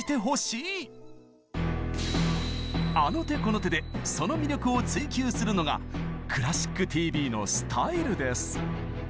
あの手この手でその魅力を追求するのが「クラシックＴＶ」のスタイルです。